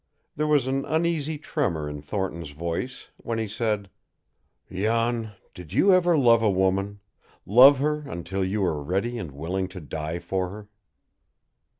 There was an uneasy tremor in Thornton's voice when he said: "Jan, did you ever love a woman love her until you were ready and willing to die for her?"